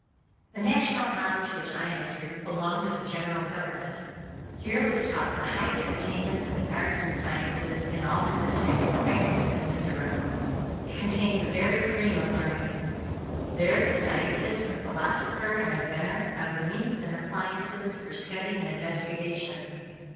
The National College which I entered belonged to the General Government. Here was taught the highest attainments in the arts and sciences, and all industries practised in Mizora. It contained the very cream of learning. There the scientist, the philosopher and inventor found the means and appliances for study and investigation.